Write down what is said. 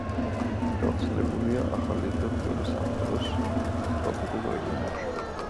გავრცელებულია ახალი და ძველი სამყაროს ტროპიკულ რეგიონებში.